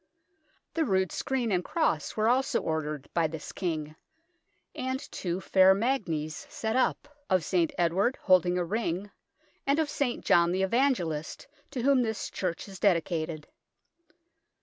The rood screen and cross were also ordered by this King, and two fair " ymagynes " set up, of St. Edward holding a ring and of St. John the Evangelist, to whom this church is dedicated.